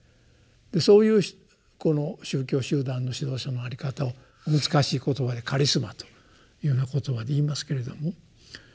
そういうこの宗教集団の指導者の在り方を難しい言葉で「カリスマ」というような言葉で言いますけれども。